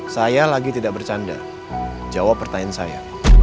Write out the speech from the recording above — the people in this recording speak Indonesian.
saya lagi tidak bercanda jawab pertanyaan saya